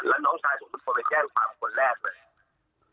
แล้วน้องชายผมจะไปแก้ความคนแรกเลย